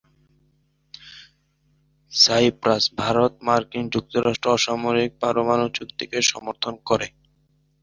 Cypress ভারত-মার্কিন যুক্তরাষ্ট্র অসামরিক পরমাণু চুক্তিকে সমর্থন করে।